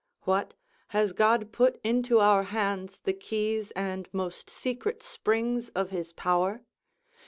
What! has God put into our hands the keys and most secret springs of his power?